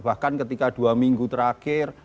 bahkan ketika dua minggu terakhir